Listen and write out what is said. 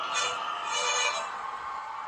په کور دننه ورزش کول د فعال پاتې کېدو لاره ده.